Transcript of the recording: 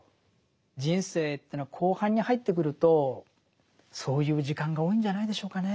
人生というのは後半に入ってくるとそういう時間が多いんじゃないでしょうかね。